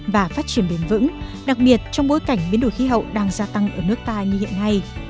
và phát triển bền vững đặc biệt trong bối cảnh biến đổi khí hậu đang gia tăng ở nước ta như hiện nay